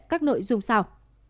các nội dung sau